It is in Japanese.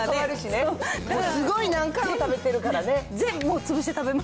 すごい何回も食べてるからね。